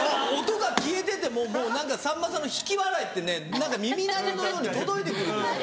音が消えててももう何かさんまさんの引き笑いってね耳鳴りのように届いて来るんです。